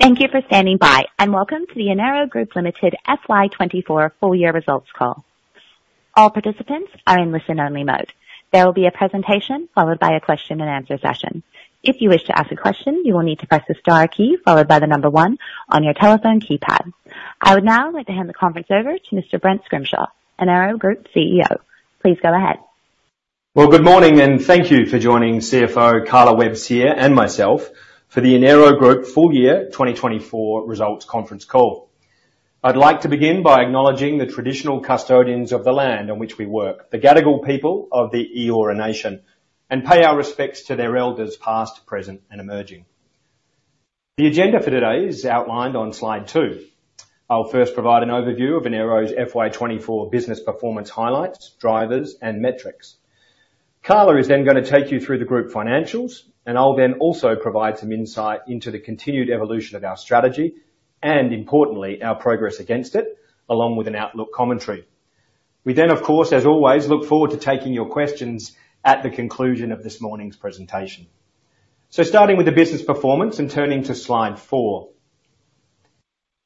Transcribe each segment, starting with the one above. Thank you for standing by, and welcome to the Enero Group Limited FY 2024 Full Year Results Call. All participants are in listen-only mode. There will be a presentation, followed by a question and answer session. If you wish to ask a question, you will need to press the star key followed by the number one on your telephone keypad. I would now like to hand the conference over to Mr. Brent Scrimshaw, Enero Group CEO. Please go ahead. Well, good morning, and thank you for joining CFO Carla Webb-Sear here, and myself for the Enero Group full year 2024 results conference call. I'd like to begin by acknowledging the traditional custodians of the land on which we work, the Gadigal people of the Eora Nation, and pay our respects to their elders past, present, and emerging. The agenda for today is outlined on slide two. I'll first provide an overview of Enero's FY 2024 business performance highlights, drivers, and metrics. Carla is then gonna take you through the group financials, and I'll then also provide some insight into the continued evolution of our strategy and, importantly, our progress against it, along with an outlook commentary. We then, of course, as always, look forward to taking your questions at the conclusion of this morning's presentation. Starting with the business performance and turning to slide four.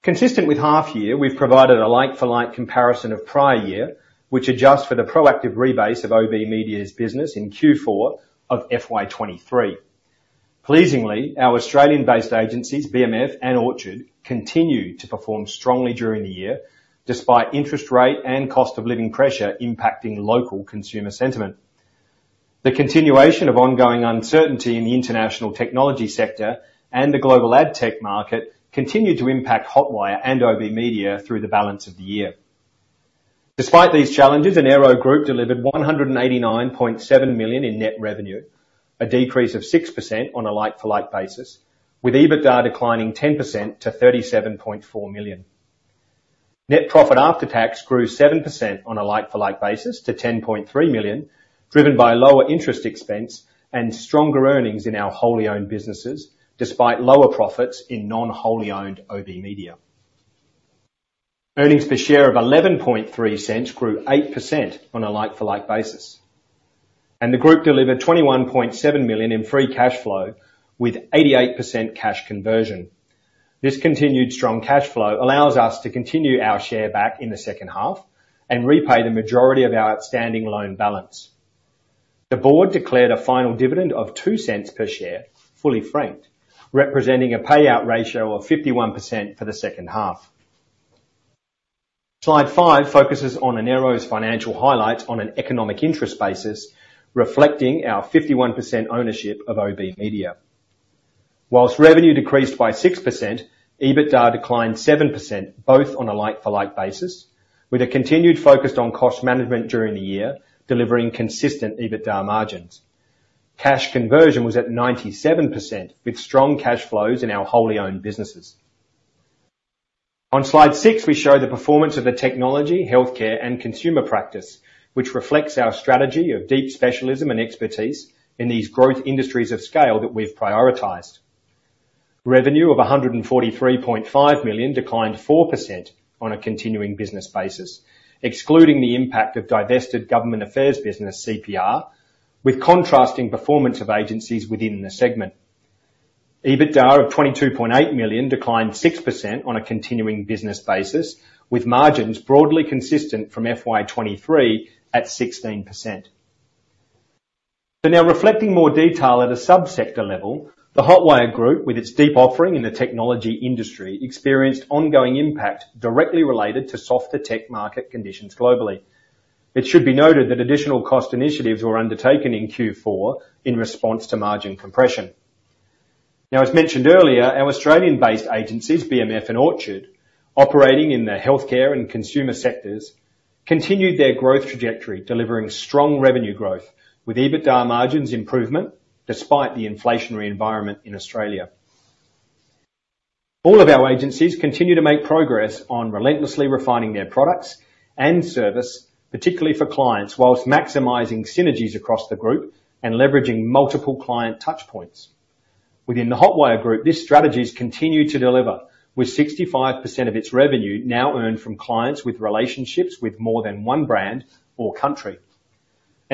Consistent with half year, we've provided a like-for-like comparison of prior year, which adjusts for the proactive rebase of OBMedia's business in Q4 of FY 2023. Pleasingly, our Australian-based agencies, BMF and Orchard, continued to perform strongly during the year, despite interest rate and cost of living pressure impacting local consumer sentiment. The continuation of ongoing uncertainty in the international technology sector and the global ad tech market continued to impact Hotwire and OBMedia through the balance of the year. Despite these challenges, Enero Group delivered 189.7 million in net revenue, a decrease of 6% on a like-for-like basis, with EBITDA declining 10% to 37.4 million. Net profit after tax grew 7% on a like-for-like basis to 10.3 million, driven by lower interest expense and stronger earnings in our wholly owned businesses, despite lower profits in non-wholly owned OBMedia. Earnings per share of 0.113 grew 8% on a like-for-like basis, and the group delivered 21.7 million in free cashflow with 88% cash conversion. This continued strong cashflow allows us to continue our share buyback in the second half and repay the majority of our outstanding loan balance. The Board declared a final dividend of 0.02 per share, fully franked, representing a payout ratio of 51% for the second half. Slide five focuses on Enero's financial highlights on an economic interest basis, reflecting our 51% ownership of OBMedia. While revenue decreased by 6%, EBITDA declined 7%, both on a like-for-like basis, with a continued focus on cost management during the year, delivering consistent EBITDA margins. Cash conversion was at 97%, with strong cash flows in our wholly owned businesses. On slide six, we show the performance of the Technology, Healthcare, and Consumer Practice, which reflects our strategy of deep specialism and expertise in these growth industries of scale that we've prioritized. Revenue of 143.5 million declined 4% on a continuing business basis, excluding the impact of divested government affairs business, CPR, with contrasting performance of agencies within the segment. EBITDA of 22.8 million declined 6% on a continuing business basis, with margins broadly consistent from FY 2023 at 16%. So now reflecting more detail at a sub-sector level, the Hotwire Group, with its deep offering in the technology industry, experienced ongoing impact directly related to softer tech market conditions globally. It should be noted that additional cost initiatives were undertaken in Q4 in response to margin compression. Now, as mentioned earlier, our Australian-based agencies, BMF and Orchard, operating in the healthcare and consumer sectors, continued their growth trajectory, delivering strong revenue growth with EBITDA margins improvement despite the inflationary environment in Australia. All of our agencies continue to make progress on relentlessly refining their products and service, particularly for clients, while maximizing synergies across the group and leveraging multiple client touchpoints. Within the Hotwire Group, these strategies continue to deliver, with 65% of its revenue now earned from clients with relationships with more than one brand or country.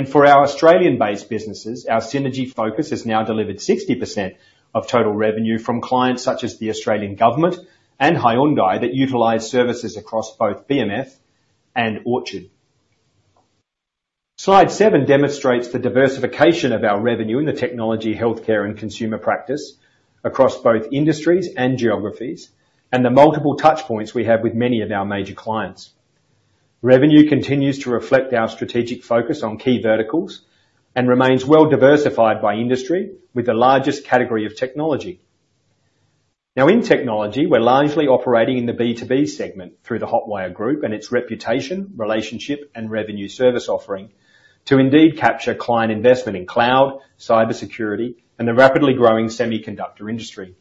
For our Australian-based businesses, our synergy focus has now delivered 60% of total revenue from clients such as the Australian government and Hyundai that utilize services across both BMF and Orchard. Slide seven demonstrates the diversification of our revenue in the Technology, Healthcare, and Consumer Practice across both industries and geographies, and the multiple touchpoints we have with many of our major clients. Revenue continues to reflect our strategic focus on key verticals and remains well diversified by industry with the largest category of technology. Now, in technology, we're largely operating in the B2B segment through the Hotwire Group and its reputation, relationship, and revenue service offering to indeed capture client investment in cloud, cybersecurity, and the rapidly growing semiconductor industry.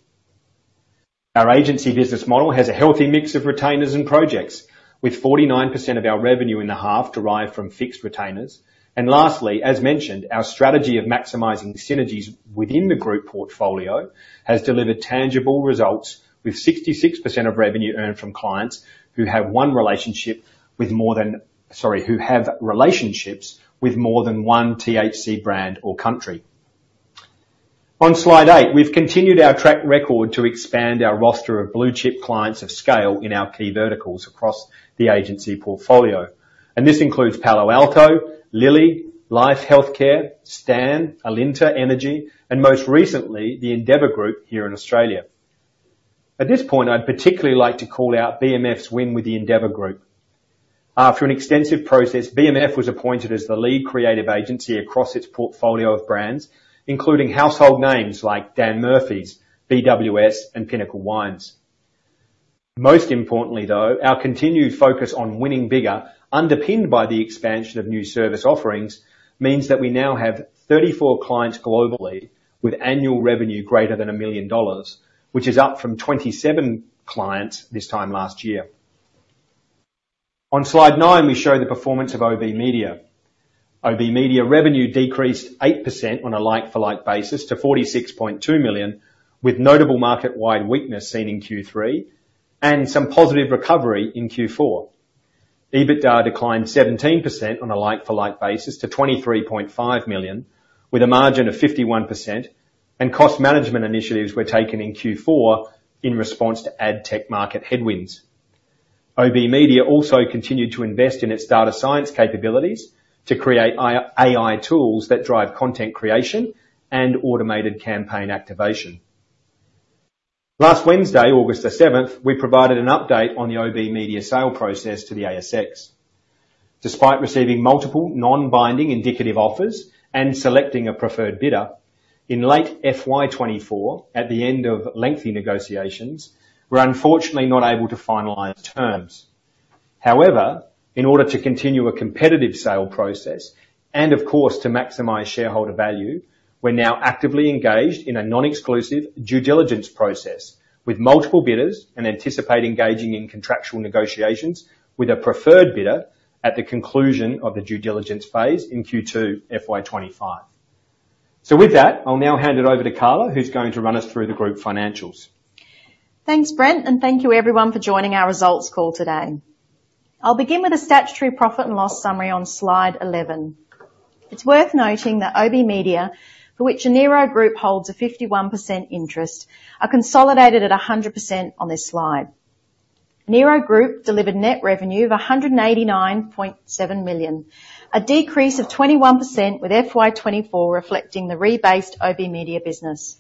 Our agency business model has a healthy mix of retainers and projects, with 49% of our revenue in the half derived from fixed retainers. And lastly, as mentioned, our strategy of maximizing the synergies within the group portfolio has delivered tangible results, with 66% of revenue earned from clients who have one relationship with more than... Sorry, who have relationships with more than one THC brand or country. On slide eight, we've continued our track record to expand our roster of blue-chip clients of scale in our key verticals across the agency portfolio, and this includes Palo Alto, Lilly, Life Healthcare, Stan, Alinta Energy, and most recently, the Endeavour Group here in Australia. At this point, I'd particularly like to call out BMF's win with the Endeavour Group. After an extensive process, BMF was appointed as the lead creative agency across its portfolio of brands, including household names like Dan Murphy's, BWS, and Pinnacle Wine. Most importantly, though, our continued focus on winning bigger, underpinned by the expansion of new service offerings, means that we now have 34 clients globally with annual revenue greater than 1 million dollars, which is up from 27 clients this time last year. On slide nine, we show the performance of OBMedia. OBMedia revenue decreased 8% on a like-for-like basis to 46.2 million, with notable market-wide weakness seen in Q3 and some positive recovery in Q4. EBITDA declined 17% on a like-for-like basis to 23.5 million, with a margin of 51%, and cost management initiatives were taken in Q4 in response to ad tech market headwinds. OBMedia also continued to invest in its data science capabilities to create AI tools that drive content creation and automated campaign activation. Last Wednesday, August the 7th, we provided an update on the OBMedia sale process to the ASX. Despite receiving multiple non-binding indicative offers and selecting a preferred bidder, in late FY 2024, at the end of lengthy negotiations, we're unfortunately not able to finalize terms. However, in order to continue a competitive sale process, and of course, to maximize shareholder value, we're now actively engaged in a non-exclusive due diligence process with multiple bidders, and anticipate engaging in contractual negotiations with a preferred bidder at the conclusion of the due diligence phase in Q2 FY 2025. So with that, I'll now hand it over to Carla, who's going to run us through the group financials. Thanks, Brent, and thank you everyone for joining our results call today. I'll begin with a statutory profit and loss summary on slide 11. It's worth noting that OBMedia, for which Enero Group holds a 51% interest, are consolidated at 100% on this slide. Enero Group delivered net revenue of 189.7 million, a decrease of 21%, with FY 2024 reflecting the rebased OBMedia business.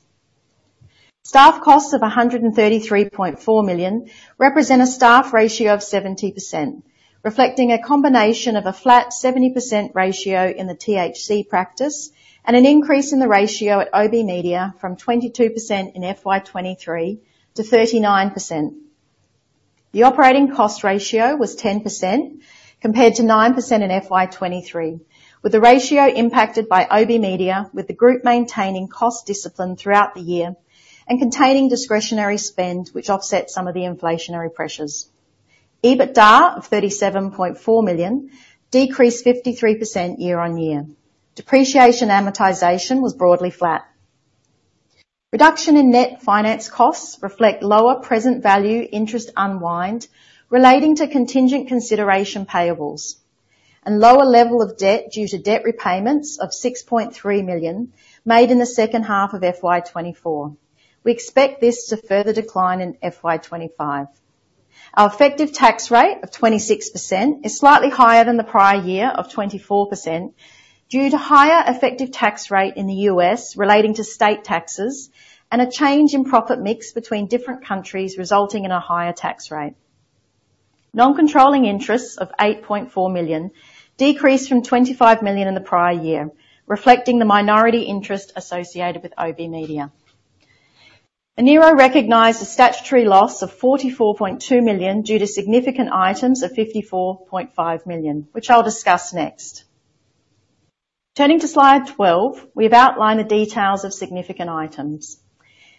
Staff costs of 133.4 million represent a staff ratio of 70%, reflecting a combination of a flat 70% ratio in the THC practice and an increase in the ratio at OBMedia from 22% in FY 2023 to 39%. The operating cost ratio was 10%, compared to 9% in FY 2023, with the ratio impacted by OBMedia, with the group maintaining cost discipline throughout the year and containing discretionary spend, which offset some of the inflationary pressures. EBITDA of 37.4 million decreased 53% year-on-year. Depreciation amortization was broadly flat. Reduction in net finance costs reflect lower present value interest unwind relating to contingent consideration payables and lower level of debt due to debt repayments of 6.3 million made in the second half of FY 2024. We expect this to further decline in FY 2025. Our effective tax rate of 26% is slightly higher than the prior year of 24%, due to higher effective tax rate in the U.S. relating to state taxes, and a change in profit mix between different countries, resulting in a higher tax rate. Non-controlling interests of 8.4 million decreased from 25 million in the prior year, reflecting the minority interest associated with OBMedia. Enero recognized a statutory loss of 44.2 million due to significant items of 54.5 million, which I'll discuss next. Turning to slide 12, we've outlined the details of significant items.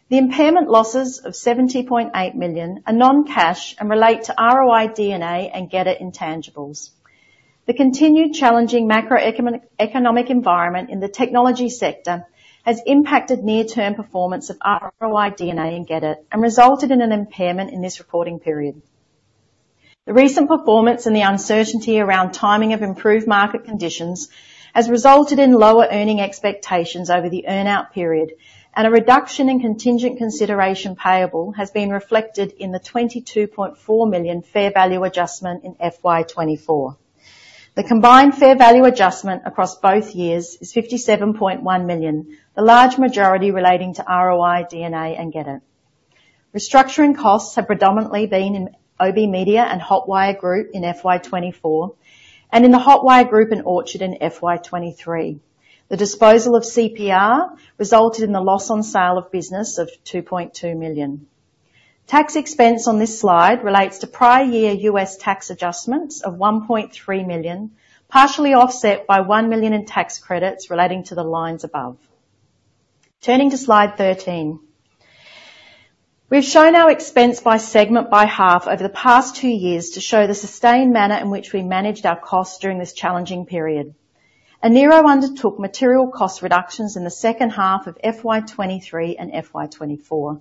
The impairment losses of 70.8 million are non-cash and relate to ROI·DNA and GetIT intangibles. The continued challenging macroeconomic, economic environment in the technology sector has impacted near-term performance of ROI·DNA, and GetIT, and resulted in an impairment in this reporting period. The recent performance and the uncertainty around timing of improved market conditions has resulted in lower earning expectations over the earn-out period, and a reduction in contingent consideration payable has been reflected in the 22.4 million fair value adjustment in FY 2024. The combined fair value adjustment across both years is 57.1 million, the large majority relating to ROI·DNA and GetIT. Restructuring costs have predominantly been in OBMedia and Hotwire Group in FY 2024, and in the Hotwire Group in Orchard in FY 2023. The disposal of CPR resulted in the loss on sale of business of 2.2 million. Tax expense on this slide relates to prior year U.S. tax adjustments of 1.3 million, partially offset by 1 million in tax credits relating to the lines above. Turning to slide 13, we've shown our expense by segment by half over the past two years to show the sustained manner in which we managed our costs during this challenging period. Enero undertook material cost reductions in the second half of FY 2023 and FY 2024.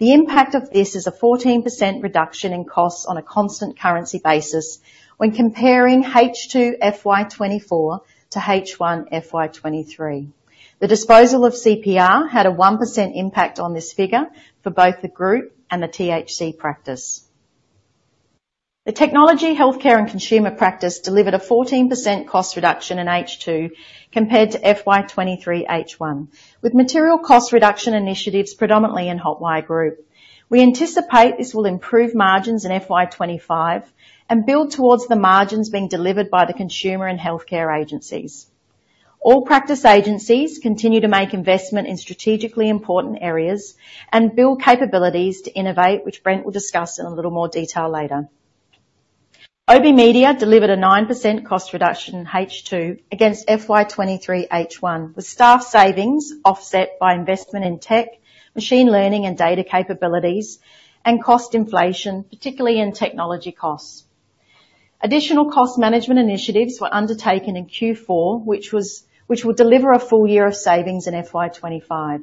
The impact of this is a 14% reduction in costs on a constant currency basis when comparing H2 FY 2024 to H1 FY 2023. The disposal of CPR had a 1% impact on this figure for both the group and the THC practice. The Technology, Healthcare, and Consumer Practice delivered a 14% cost reduction in H2 compared to FY 2023 H1, with material cost reduction initiatives predominantly in Hotwire Group. We anticipate this will improve margins in FY 2025 and build towards the margins being delivered by the consumer and healthcare agencies. All practice agencies continue to make investment in strategically important areas and build capabilities to innovate, which Brent will discuss in a little more detail later. OBMedia delivered a 9% cost reduction in H2 against FY 2023 H1, with staff savings offset by investment in tech, machine learning, and data capabilities, and cost inflation, particularly in technology costs. Additional cost management initiatives were undertaken in Q4, which will deliver a full year of savings in FY 2025.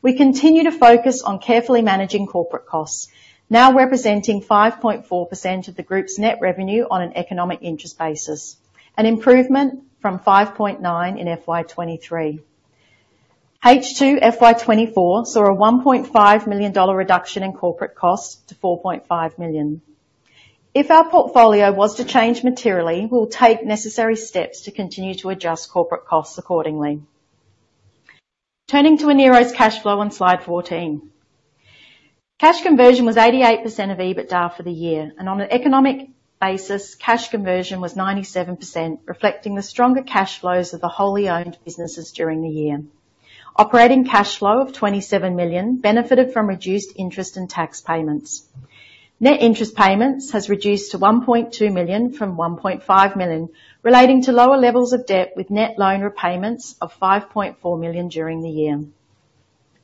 We continue to focus on carefully managing corporate costs, now representing 5.4% of the group's net revenue on an economic interest basis, an improvement from 5.9% in FY 2023. H2 FY 2024 saw an AUD 1.5 million reduction in corporate costs to AUD 4.5 million. If our portfolio was to change materially, we'll take necessary steps to continue to adjust corporate costs accordingly. Turning to Enero's cash flow on slide 14. Cash conversion was 88% of EBITDA for the year, and on an economic basis, cash conversion was 97%, reflecting the stronger cash flows of the wholly owned businesses during the year. Operating cash flow of 27 million benefited from reduced interest and tax payments. Net interest payments has reduced to 1.2 million from 1.5 million, relating to lower levels of debt, with net loan repayments of 5.4 million during the year.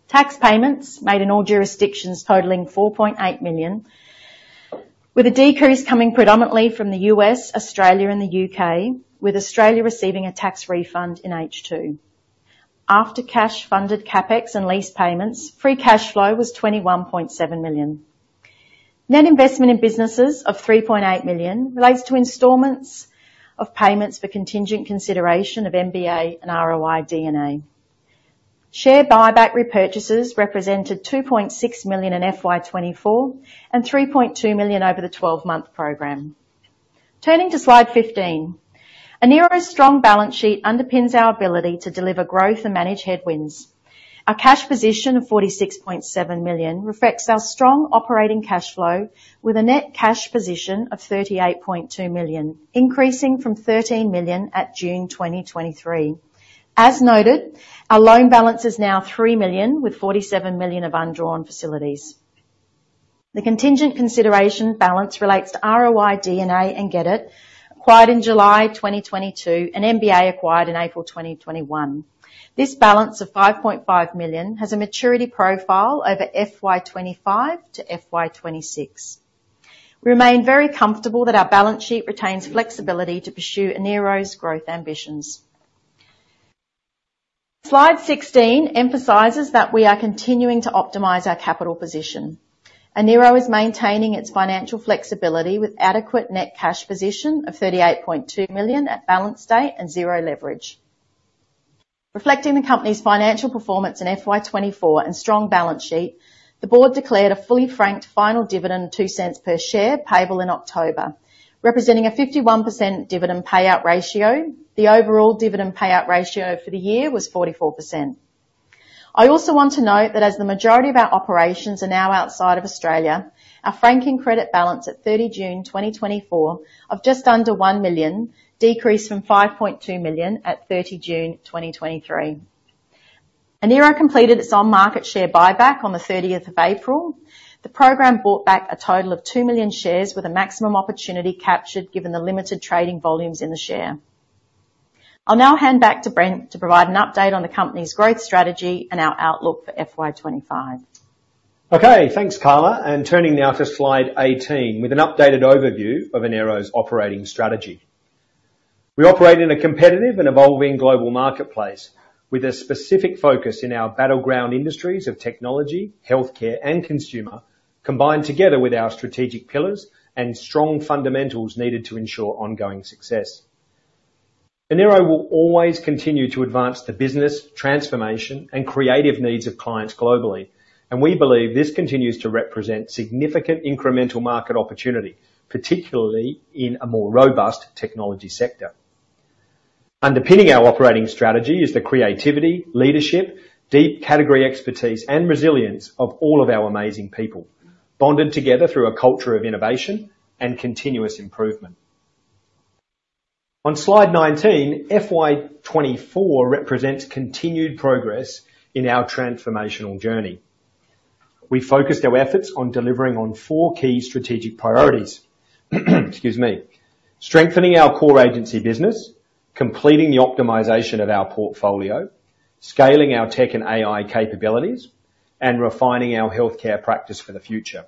Tax payments made in all jurisdictions totaling 4.8 million, with a decrease coming predominantly from the U.S., Australia, and the U.K., with Australia receiving a tax refund in H2. After cash-funded CapEx and lease payments, free cashflow was 21.7 million. Net investment in businesses of 3.8 million relates to installments of payments for contingent consideration of MBA and ROI·DNA. Share buyback repurchases represented 2.6 million in FY 2024, and 3.2 million over the twelve-month program. Turning to slide 15. Enero's strong balance sheet underpins our ability to deliver growth and manage headwinds. Our cash position of 46.7 million reflects our strong operating cashflow, with a net cash position of 38.2 million, increasing from 13 million at June 2023. As noted, our loan balance is now 3 million, with 47 million of undrawn facilities. The contingent consideration balance relates to ROI·DNA and GetIT, acquired in July 2022, and MBA, acquired in April 2021. This balance of 5.5 million has a maturity profile over FY 2025 to FY 2026. We remain very comfortable that our balance sheet retains flexibility to pursue Enero's growth ambitions. Slide 16 emphasizes that we are continuing to optimize our capital position. Enero is maintaining its financial flexibility with adequate net cash position of 38.2 million at balance date and zero leverage. Reflecting the company's financial performance in FY 2024 and strong balance sheet, the board declared a fully franked final dividend of 0.02 per share, payable in October, representing a 51% dividend payout ratio. The overall dividend payout ratio for the year was 44%. I also want to note that as the majority of our operations are now outside of Australia, our franking credit balance at 30 June 2024 of just under 1 million decreased from 5.2 million at 30 June 2023. Enero completed its on-market share buyback on the 30th of April. The program bought back a total of 2 million shares with a maximum opportunity captured, given the limited trading volumes in the share. I'll now hand back to Brent to provide an update on the company's growth strategy and our outlook for FY 2025. Okay, thanks, Carla, and turning now to slide 18, with an updated overview of Enero's operating strategy. We operate in a competitive and evolving global marketplace, with a specific focus in our battleground industries of technology, healthcare, and consumer, combined together with our strategic pillars and strong fundamentals needed to ensure ongoing success. Enero will always continue to advance the business, transformation, and creative needs of clients globally, and we believe this continues to represent significant incremental market opportunity, particularly in a more robust technology sector. Underpinning our operating strategy is the creativity, leadership, deep category expertise, and resilience of all of our amazing people, bonded together through a culture of innovation and continuous improvement. On slide 19, FY 2024 represents continued progress in our transformational journey. We focused our efforts on delivering on four key strategic priorities, excuse me: strengthening our core agency business, completing the optimization of our portfolio, scaling our tech and AI capabilities, and refining our healthcare practice for the future.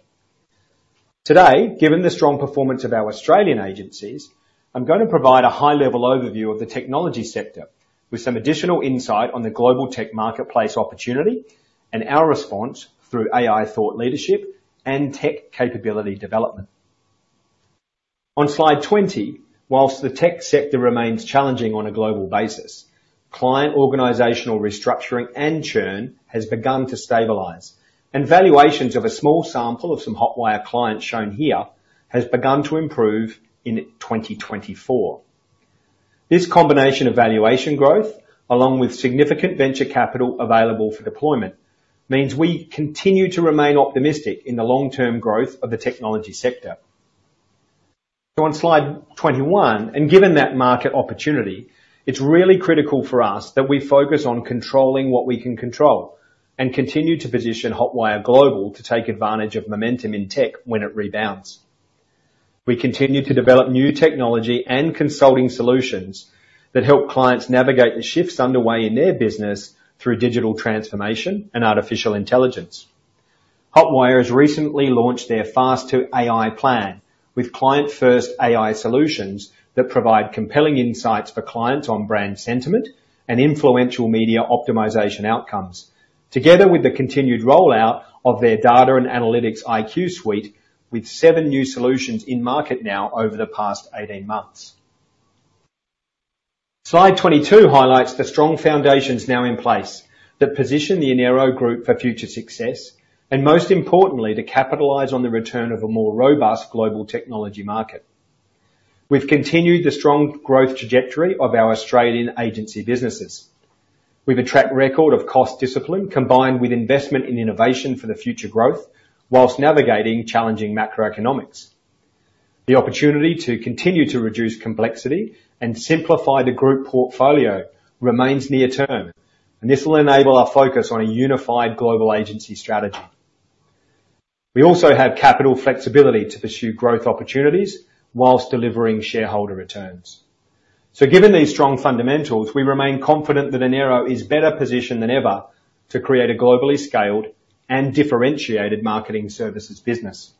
Today, given the strong performance of our Australian agencies, I'm going to provide a high-level overview of the technology sector, with some additional insight on the global tech marketplace opportunity and our response through AI thought leadership and tech capability development. On slide 20, whilst the tech sector remains challenging on a global basis, client organizational restructuring and churn has begun to stabilize, and valuations of a small sample of some Hotwire clients shown here, has begun to improve in 2024. This combination of valuation growth, along with significant venture capital available for deployment, means we continue to remain optimistic in the long-term growth of the technology sector. On slide 21, and given that market opportunity, it's really critical for us that we focus on controlling what we can control and continue to position Hotwire Global to take advantage of momentum in tech when it rebounds. We continue to develop new technology and consulting solutions that help clients navigate the shifts underway in their business through digital transformation and artificial intelligence. Hotwire has recently launched their Fast to AI plan, with client-first AI solutions that provide compelling insights for clients on brand sentiment and influential media optimization outcomes, together with the continued rollout of their data and analytics IQ suite, with seven new solutions in market now over the past 18 months. Slide 22 highlights the strong foundations now in place that position the Enero Group for future success, and most importantly, to capitalize on the return of a more robust global technology market. We've continued the strong growth trajectory of our Australian agency businesses. We've a track record of cost discipline, combined with investment in innovation for the future growth, while navigating challenging macroeconomics. The opportunity to continue to reduce complexity and simplify the group portfolio remains near term, and this will enable our focus on a unified global agency strategy. We also have capital flexibility to pursue growth opportunities while delivering shareholder returns. So given these strong fundamentals, we remain confident that Enero is better positioned than ever to create a globally scaled and differentiated marketing services business.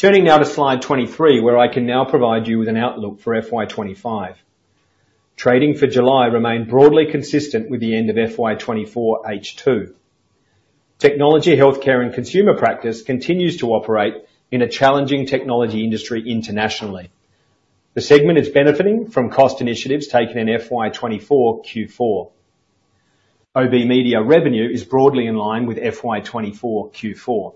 Turning now to slide 23, where I can now provide you with an outlook for FY 2025. Trading for July remained broadly consistent with the end of FY 2024 H2. Technology, Healthcare, and Consumer Practice continues to operate in a challenging technology industry internationally. The segment is benefiting from cost initiatives taken in FY 2024 Q4. OBMedia revenue is broadly in line with FY 2024 Q4.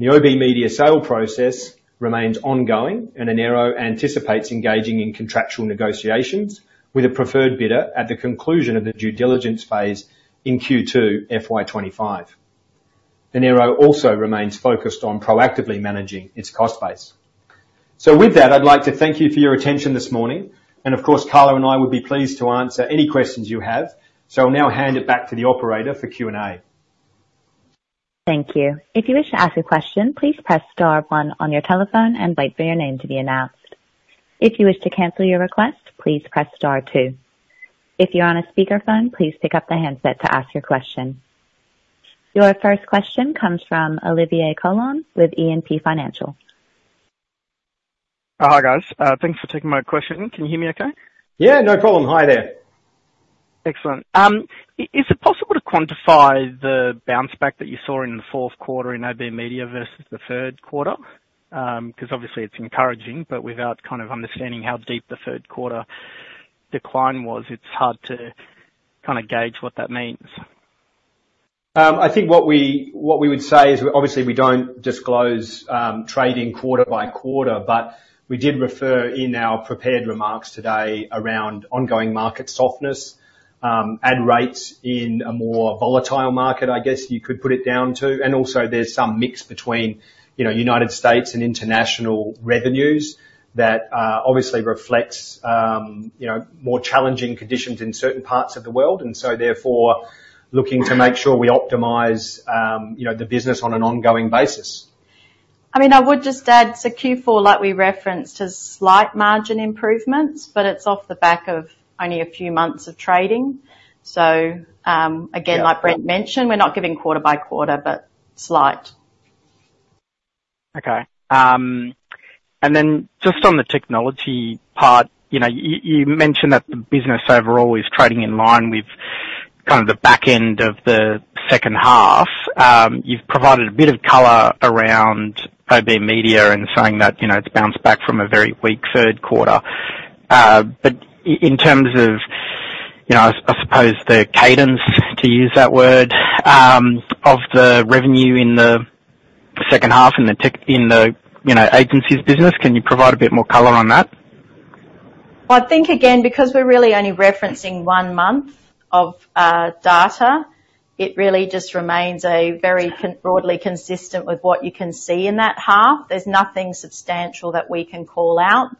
The OBMedia sale process remains ongoing, and Enero anticipates engaging in contractual negotiations with a preferred bidder at the conclusion of the due diligence phase in Q2 FY 2025. Enero also remains focused on proactively managing its cost base. So with that, I'd like to thank you for your attention this morning, and of course, Carla and I would be pleased to answer any questions you have. So I'll now hand it back to the operator for Q&A. Thank you. If you wish to ask a question, please press star one on your telephone and wait for your name to be announced. If you wish to cancel your request, please press star two. If you're on a speakerphone, please pick up the handset to ask your question. Your first question comes from Olivier Coulon with E&P Financial Group. Hi, guys. Thanks for taking my question. Can you hear me okay? Yeah, no problem. Hi there. Excellent. Is it possible to quantify the bounce back that you saw in the fourth quarter in OBMedia versus the third quarter? 'Cause obviously it's encouraging, but without kind of understanding how deep the third quarter decline was, it's hard to kind of gauge what that means. I think what we, what we would say is, obviously, we don't disclose trading quarter by quarter, but we did refer in our prepared remarks today around ongoing market softness, ad rates in a more volatile market, I guess you could put it down to, and also there's some mix between, you know, United States and international revenues that, obviously reflects, you know, more challenging conditions in certain parts of the world, and so therefore, looking to make sure we optimize, you know, the business on an ongoing basis. I mean, I would just add, so Q4, like we referenced, has slight margin improvements, but it's off the back of only a few months of trading. So, again- Yeah. Like Brent mentioned, we're not giving quarter by quarter, but slight. Okay. And then just on the technology part, you know, you mentioned that the business overall is trading in line with kind of the back end of the second half. You've provided a bit of color around OBMedia and saying that, you know, it's bounced back from a very weak third quarter. But in terms of, you know, I suppose, the cadence, to use that word, of the revenue in the second half in the tech in the, you know, agencies business, can you provide a bit more color on that? Well, I think again, because we're really only referencing one month of data, it really just remains very broadly consistent with what you can see in that half. There's nothing substantial that we can call out,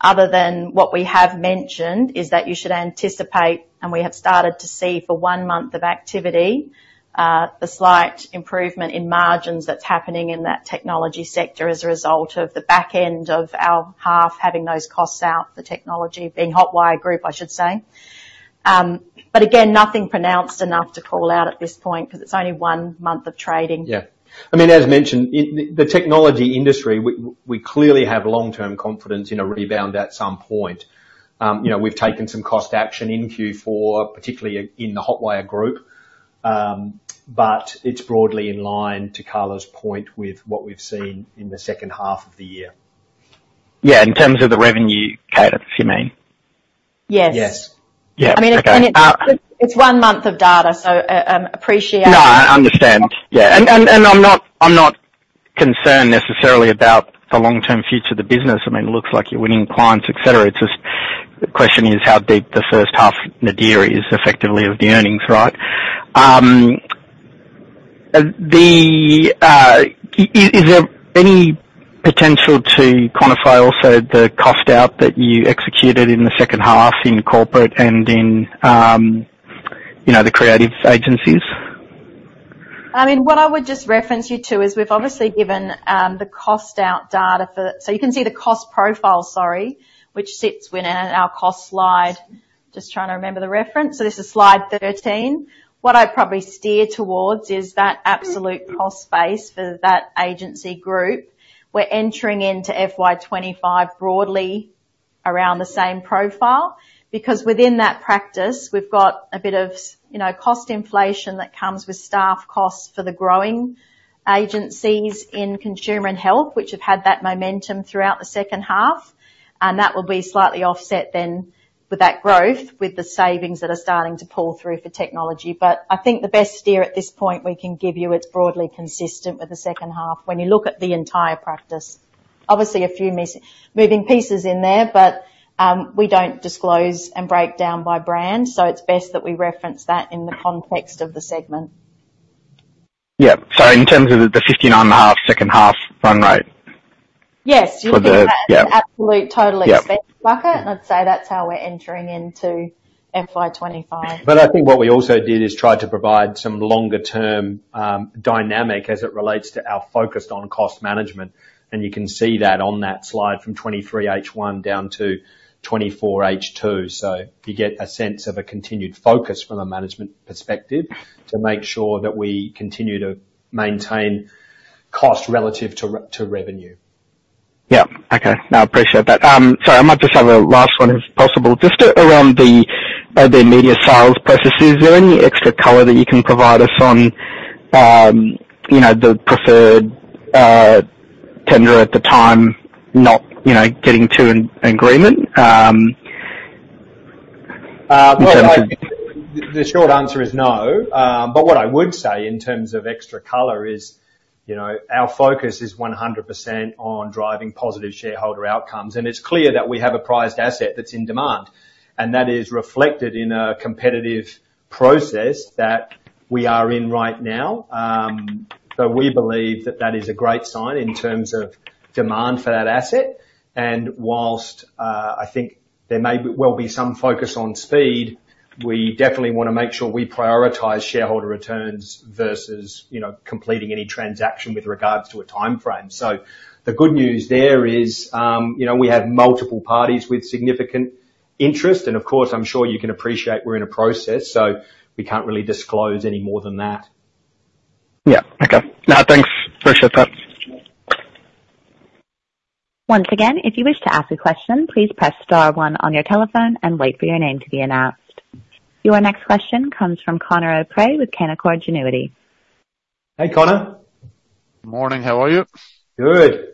other than what we have mentioned, is that you should anticipate, and we have started to see for one month of activity, the slight improvement in margins that's happening in that technology sector as a result of the back end of our half, having those costs out, the technology, being Hotwire Group, I should say. But again, nothing pronounced enough to call out at this point, 'cause it's only one month of trading. Yeah. I mean, as mentioned, it, the technology industry, we clearly have long-term confidence in a rebound at some point. You know, we've taken some cost action in Q4, particularly in the Hotwire Group. But it's broadly in line, to Carla's point, with what we've seen in the second half of the year. Yeah, in terms of the revenue cadence, you mean? Yes. Yes. Yeah, okay. I mean, and it, it's one month of data, so appreciate- No, I understand. Yeah, and I'm not concerned necessarily about the long-term future of the business. I mean, it looks like you're winning clients, et cetera. It's just the question is how deep the first half nadir is effectively of the earnings, right? Is there any potential to quantify also the cost out that you executed in the second half in corporate and in, you know, the creative agencies? I mean, what I would just reference you to is we've obviously given the cost out data for. So you can see the cost profile, sorry, which sits within our cost slide. Just trying to remember the reference. So this is slide 13. What I'd probably steer towards is that absolute cost base for that agency group. We're entering into FY 2025 broadly around the same profile, because within that practice, we've got a bit of, you know, cost inflation that comes with staff costs for the growing agencies in consumer and health, which have had that momentum throughout the second half, and that will be slightly offset then, with that growth, with the savings that are starting to pull through for technology. But I think the best steer at this point we can give you, it's broadly consistent with the second half when you look at the entire practice. Obviously, a few moving pieces in there, but, we don't disclose and break down by brand, so it's best that we reference that in the context of the segment. Yeah. So in terms of the 59.5, second half run rate? Yes, you can say- For the... Yeah the absolute total expense Yeah -bucket, and I'd say that's how we're entering into FY 2025. But I think what we also did is try to provide some longer-term dynamic as it relates to our focus on cost management. And you can see that on that slide from 2023 H1 down to 2024 H2. So you get a sense of a continued focus from a management perspective, to make sure that we continue to maintain cost relative to revenue. Yeah. Okay. No, I appreciate that. Sorry, I might just have a last one, if possible. Just around the, the media sales processes, is there any extra color that you can provide us on, you know, the preferred, tender at the time not, you know, getting to an agreement? In terms of- The short answer is no. But what I would say in terms of extra color is, you know, our focus is 100% on driving positive shareholder outcomes, and it's clear that we have a prized asset that's in demand, and that is reflected in a competitive process that we are in right now. So we believe that that is a great sign in terms of demand for that asset. And whilst, I think there may be some focus on speed, we definitely wanna make sure we prioritize shareholder returns versus, you know, completing any transaction with regards to a timeframe. So the good news there is, you know, we have multiple parties with significant interest, and of course, I'm sure you can appreciate we're in a process, so we can't really disclose any more than that. Yeah. Okay. No, thanks. Appreciate that. Once again, if you wish to ask a question, please press star one on your telephone and wait for your name to be announced. Your next question comes from Conor O'Prey with Canaccord Genuity. Hey, Conor. Morning. How are you? Good.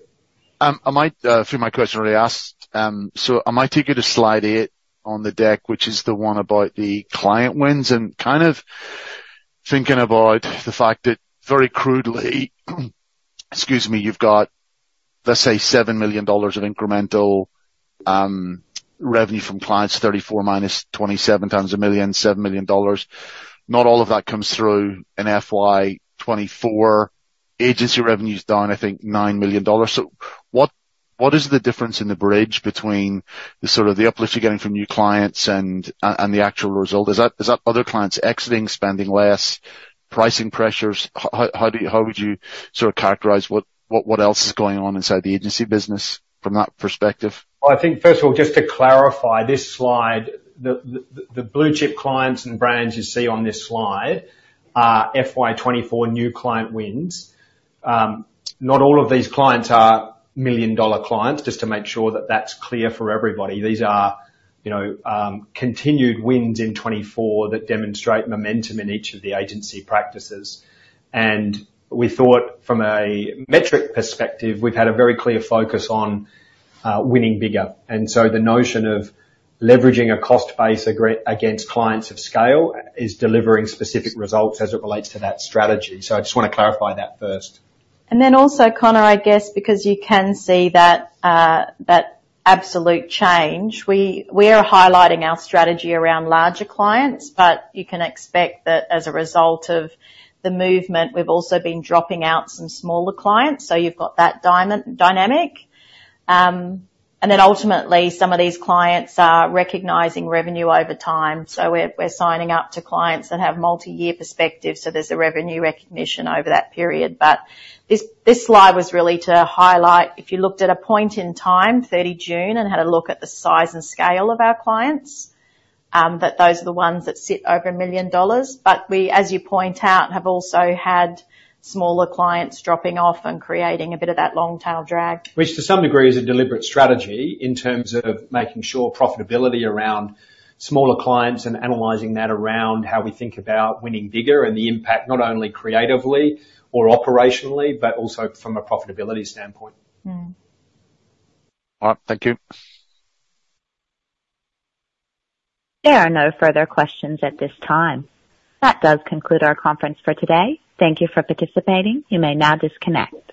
I might, a few of my questions were already asked. So I might take you to slide 8 on the deck, which is the one about the client wins, and kind of thinking about the fact that very crudely, excuse me, you've got, let's say, 7 million dollars of incremental revenue from clients, 34 - 27 x a million, 7 million dollars. Not all of that comes through in FY 2024. Agency revenue's down, I think, 9 million dollars. So what is the difference in the bridge between the sort of the uplift you're getting from new clients and, and the actual result? Is that other clients exiting, spending less, pricing pressures? How would you sort of characterize what else is going on inside the agency business from that perspective? I think, first of all, just to clarify this slide, the blue chip clients and brands you see on this slide are FY 2024 new client wins. Not all of these clients are million-dollar clients, just to make sure that that's clear for everybody. These are, you know, continued wins in 2024 that demonstrate momentum in each of the agency practices. And we thought from a metric perspective, we've had a very clear focus on winning bigger. And so the notion of leveraging a cost base against clients of scale is delivering specific results as it relates to that strategy. So I just want to clarify that first. And then also, Conor, I guess, because you can see that, that absolute change, we are highlighting our strategy around larger clients, but you can expect that as a result of the movement, we've also been dropping out some smaller clients, so you've got that dynamic. And then ultimately, some of these clients are recognizing revenue over time. So we're signing up to clients that have multi-year perspectives, so there's a revenue recognition over that period. But this slide was really to highlight, if you looked at a point in time, 30 June, and had a look at the size and scale of our clients, that those are the ones that sit over a million dollars. But we, as you point out, have also had smaller clients dropping off and creating a bit of that long tail drag. Which to some degree is a deliberate strategy in terms of making sure profitability around smaller clients and analyzing that around how we think about winning bigger and the impact, not only creatively or operationally, but also from a profitability standpoint. Mm. All right. Thank you. There are no further questions at this time. That does conclude our conference for today. Thank you for participating. You may now disconnect.